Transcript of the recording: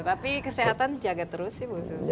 tapi kesehatan jaga terus ya bu susi